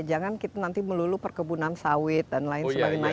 jangan kita nanti melulu perkebunan sawit dan lain sebagainya